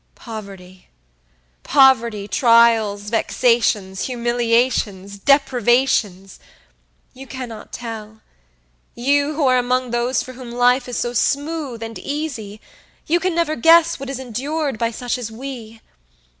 Povertypoverty, trials, vexations, humiliations, deprivations. You cannot tell; you, who are among those for whom life is so smooth and easy, you can never guess what is endured by such as we.